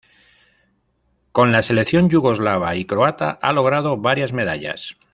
Con la selección yugoslava y croata ha logrado varias medallas.